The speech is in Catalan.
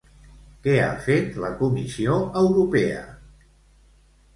Què ha fet la Comissió Europea?